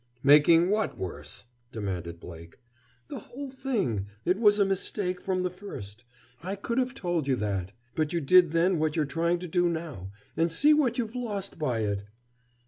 "Making what worse?" demanded Blake. "The whole thing. It was a mistake, from the first. I could have told you that. But you did then what you're trying to do now. And see what you've lost by it!"